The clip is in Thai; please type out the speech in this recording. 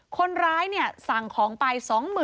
คนร้ายสั่งของไป๒๐๐๐